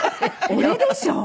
俺でしょう！